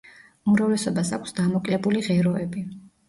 უმრავლესობას აქვს დამოკლებული ღეროები.